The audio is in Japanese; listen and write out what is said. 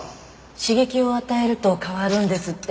刺激を与えると変わるんですって。